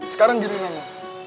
sekarang diri kamu